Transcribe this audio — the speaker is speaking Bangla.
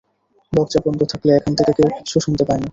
দরজা বন্ধ থাকলে, এখান থেকে কেউ কিচ্ছু শুনতে পায় না।